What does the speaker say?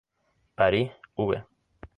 Paris", v.